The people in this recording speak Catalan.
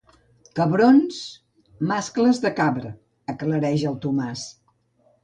Cabrons..., mascles de cabra –aclareix el Tomàs.